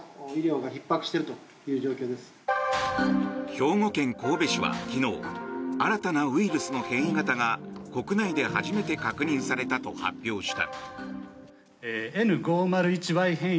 兵庫県神戸市は昨日新たなウイルスの変異型が国内で初めて確認されたと発表した。